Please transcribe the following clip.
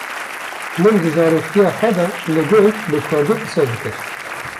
Min di zaroktiya xwe de li gund bi Kurdî qise dikir.